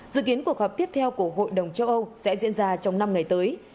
dự kiến cuộc họp tiếp theo của hội đồng châu âu sẽ diễn ra trong năm ngày tới